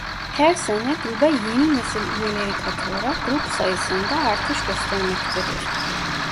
Her sene gruba yeni nesil üyeleri katılarak grup sayısında artış göstermektedir.